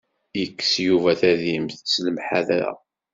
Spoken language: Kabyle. Yekkes Yuba tadimt s lemḥadra.